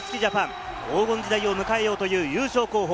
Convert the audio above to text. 全てをかけ、黄金時代を迎えようという優勝候補